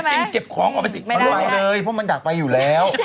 แดดจึงเก็บของออกไปสิไม่ได้ไม่ได้ไปเลยเพราะมันอยากไปอยู่แล้ว